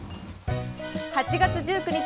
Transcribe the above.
８月１９日